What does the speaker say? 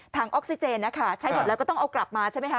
ออกซิเจนนะคะใช้หมดแล้วก็ต้องเอากลับมาใช่ไหมคะ